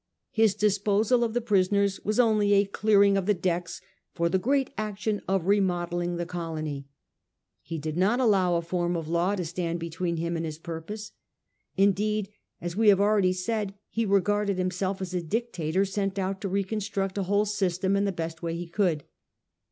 His disposal of the prisoners was only a clearing of the decks for the great action of remodelling the colony. He did not allow a form of law to stand between him and his purpose. Indeed, as we have already said, he re garded himself as a dictator sent out to reconstruct a whole system in the best way he could.